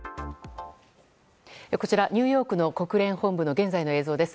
こちら、ニューヨークの国連本部の現在の映像です。